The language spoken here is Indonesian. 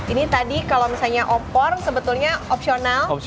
ini tadi kalau misalnya opor sebetulnya opsional